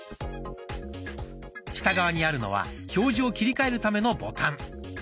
下側にあるのは表示を切り替えるためのボタン。